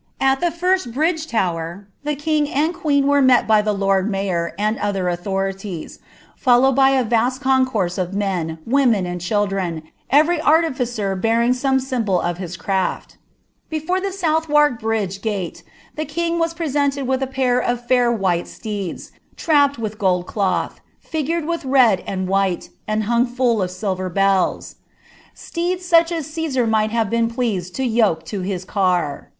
At the tir^l bridge lower Ihe lung and queeu were met by the lord mayor and other auiliorities, followed by a vast concourse of men, women, and cbildren, every arii fic«r bearing some symbol of hia crafL Before the Sou thwark bridge gale llic king was presented wiih a pair of fair white steeds, trapped with gold cloih, figured with red and white, and hung full of silver bellai ■Steeds such is Ctesar might have been pleased to yoke to his car.'